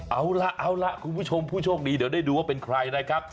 เอาล่ะเอาล่ะคุณผู้ชมผู้โชคดีเดี๋ยวได้ดูว่าเป็นใครนะครับ